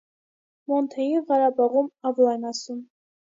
Մոնթեին Ղարաբաղում Ավո են ասում: